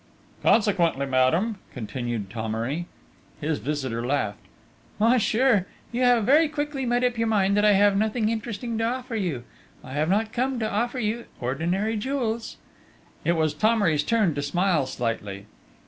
"Consequently, madame," continued Thomery.... His visitor laughed. "Monsieur, you have very quickly made up your mind that I have nothing interesting to offer you! I have not come to offer you ordinary jewels...." It was Thomery's turn to smile slightly.